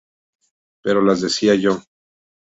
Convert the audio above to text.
Pero las decía yo.